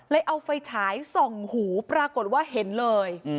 เอาไฟฉายส่องหูปรากฏว่าเห็นเลย